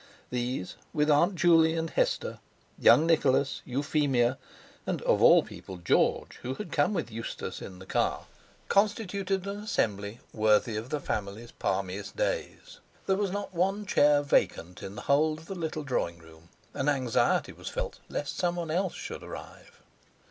These with Aunt Juley and Hester, young Nicholas, Euphemia, and—of all people!—George, who had come with Eustace in the car, constituted an assembly worthy of the family's palmiest days. There was not one chair vacant in the whole of the little drawing room, and anxiety was felt lest someone else should arrive.